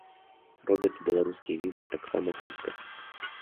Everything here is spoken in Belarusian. Робяцца беларускія візы таксама хутка.